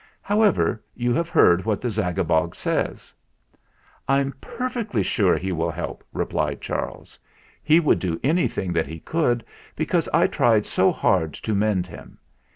However, you have heard what the Zagabog says." "I'm perfectly sure he will help," replied Charles. "He would do anything that he could, because I tried so hard to mend him.